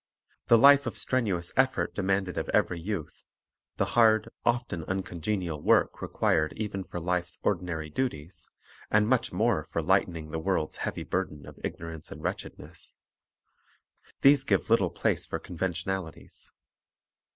The life of strenuous effort demanded of every youth, the hard, often uncongenial work required even for life's ordinary duties, and much more for lightening the world's heavy burden of igno rance and wretchedness, — these give little place for conventionalities.